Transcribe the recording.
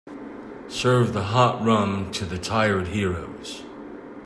Serve the hot rum to the tired heroes.